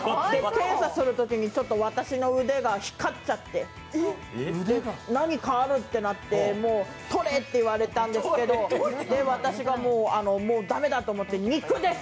検査するときにちょっと私の腕が光っちゃって、何かあるってなって、取れ！って言われたんですけど、私が駄目だと思って、肉です！